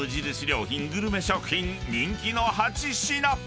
良品グルメ食品人気の８品］